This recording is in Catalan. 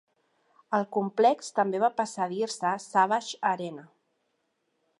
El complex també va passar a dir-se Savage Arena.